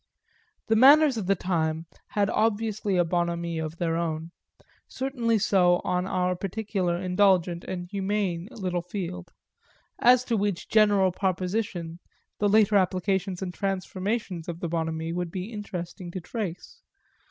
The manners of the time had obviously a bonhomie of their own certainly so on our particularly indulgent and humane little field; as to which general proposition the later applications and transformations of the bonhomie would be interesting to trace.